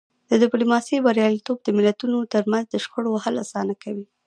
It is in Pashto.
د ډیپلوماسی بریالیتوب د ملتونو ترمنځ د شخړو حل اسانه کوي.